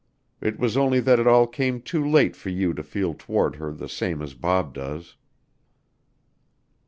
It was only that it all came too late for you to feel toward her the same as Bob does."